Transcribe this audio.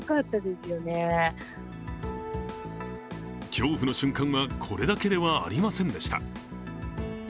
恐怖の瞬間はこれだけではありませんでした。